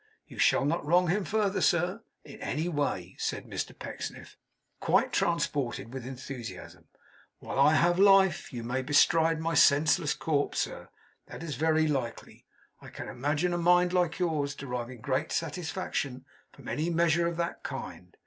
You shall not wrong him further, sir, in any way,' said Mr Pecksniff, quite transported with enthusiasm, 'while I have life. You may bestride my senseless corse, sir. That is very likely. I can imagine a mind like yours deriving great satisfaction from any measure of that kind.